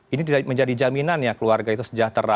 ini tidak menjadi jaminan ya keluarga itu sejahtera